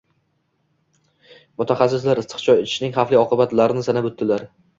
Mutaxassislar issiq choy ichishning xavfli oqibatlarini sanab oʻtdilar.